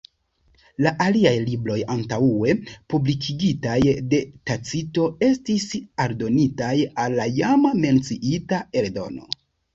La aliaj libroj antaŭe publikigitaj de Tacito estis aldonitaj al la jam menciita eldono.